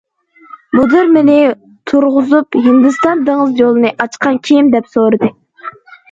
مۇدىر مېنى تۇرغۇزۇپ:- ھىندىستان دېڭىز يولىنى ئاچقان كىم؟- دەپ سورىدى.